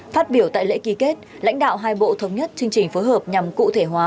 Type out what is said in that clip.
phát biểu tại lễ ký kết lãnh đạo hai bộ thống nhất chương trình phối hợp nhằm cụ thể hóa